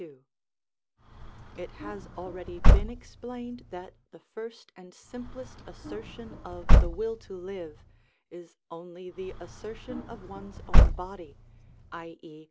§ 62. It has already been explained that the first and simplest assertion of the will to live is only the assertion of one's own body, _i.e.